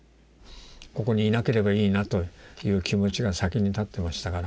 ここにいなければいいなという気持ちが先に立ってましたから。